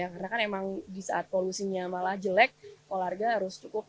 karena kan emang di saat polusinya malah jelek olahraga harus cukup